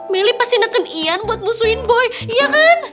meli pasti neken ian buat musuhin boy iya kan